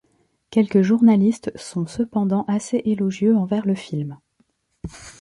Quelques journalistes sont cependant assez élogieux envers le film.